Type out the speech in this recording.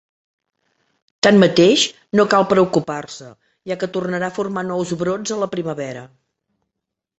Tanmateix no cal preocupar-se, ja que tornarà a formar nous brots a la primavera.